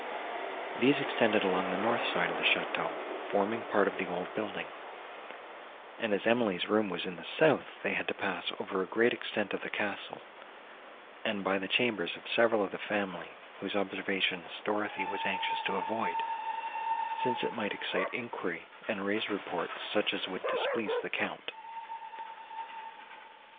These extended along the north side of the château, forming part of the old building; and, as Emily's room was in the south, they had to pass over a great extent of the castle, and by the chambers of several of the family, whose observations Dorothée was anxious to avoid, since it might excite enquiry, and raise reports, such as would displease the Count.